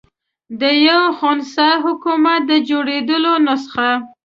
د یوه خنثی حکومت د جوړېدلو نسخه.